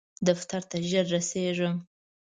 دفتر ته ژر رسیږم